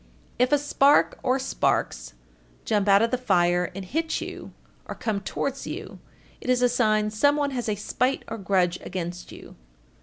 If a spark or sparks jump out of the fire and hit you or come towards you, it is a sign some one has a spite or grudge against you.